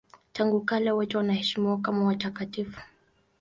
Tangu kale wote wanaheshimiwa kama watakatifu.